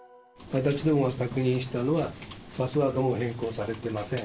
私どもが確認したのは、パスワードも変更されてません。